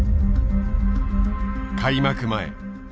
開幕前